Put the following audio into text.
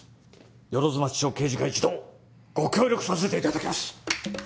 万町署刑事課一同ご協力させていただきます。